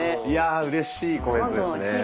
いやうれしいコメントですね。